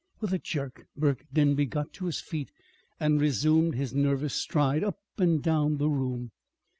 With a jerk Burke Denby got to his feet and resumed his nervous stride up and down the room.